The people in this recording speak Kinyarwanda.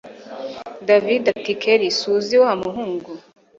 david ati kelli suzi wamuhungu